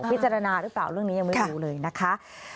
จารณหรือเปล่าเรื่องนี้ยังไม่รู้เลยนะคะ